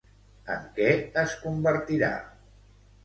En què es convertirà?